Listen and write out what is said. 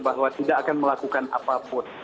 bahwa tidak akan melakukan apapun